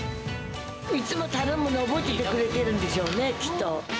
いつも頼むの覚えていてくれてるんでしょうね、きっと。